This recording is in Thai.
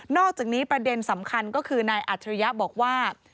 อกจากนี้ประเด็นสำคัญก็คือนายอัจฉริยะบอกว่า